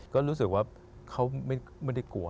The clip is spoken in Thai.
ก็รู้สึกว่าเขาไม่ได้กลัว